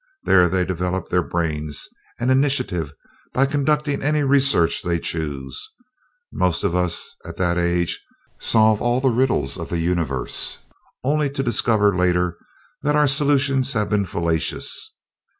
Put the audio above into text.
There they develop their brains and initiative by conducting any researches they choose. Most of us, at that age, solve all the riddles of the Universe, only to discover later that our solutions have been fallacious.